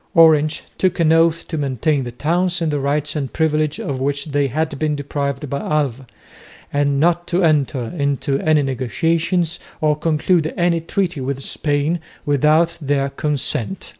Orange took an oath to maintain the towns in the rights and privileges of which they had been deprived by Alva and not to enter into any negotiations or conclude any treaty with Spain without their consent.